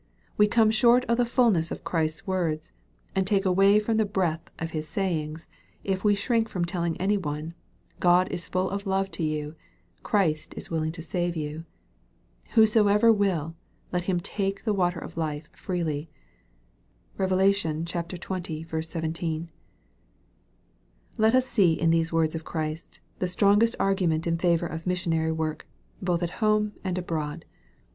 We come short of the fulness of Christ's words, and take away from the breadth of His sayings, if we shrink from telling any one, " God is full of love to you, Christ is willing to save you." "Whosoever will, let him take the water of life freely." (Rev. xx. 17.) Let us see in these words of Christ, the strongest argument in favor of missionary work, both at home and abroad.